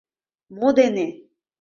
Мо дене?